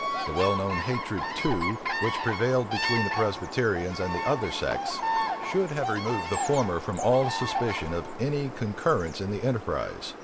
The well known hatred, too, which prevailed between the Presbyterians and the other sects, should have removed the former from all suspicion of any concurrence in the enterprise.